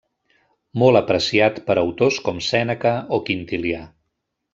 Molt apreciat per autors com Sèneca o Quintilià.